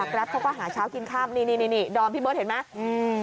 กราฟต์เขาก็หาเช้ากินข้ามนี่ดอมพี่เบิ้ลเห็นไหม